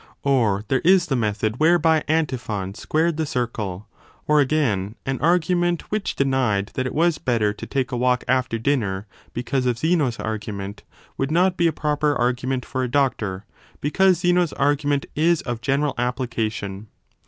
Or there is the method whereby Antiphon squared the circle. Or again, an argu ment which denied that it was better to take a walk after dinner, because of Zeno s argument, would not be a proper argument for a doctor, because Zeno s argument is of general application.